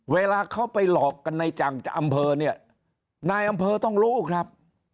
เวลาเขาไปหลอกกันในจังจะอำเภอเนี่ยนายอำเภอต้องรู้ครับ